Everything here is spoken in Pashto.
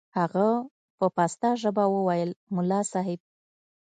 هغه په پسته ژبه وويل ملا صاحب.